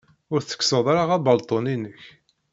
Ur tettekkseḍ-ara abalṭun-inek?